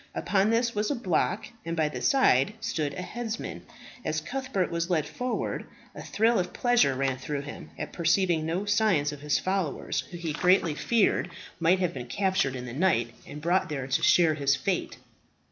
Upon this was a block, and by the side stood a headsman. As Cuthbert was led forward a thrill of pleasure ran through him at perceiving no signs of his followers, who he greatly feared might have been captured in the night, and brought there to share his fate.